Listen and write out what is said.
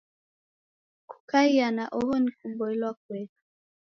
Kukaia na oho ni kuboilwa kueka.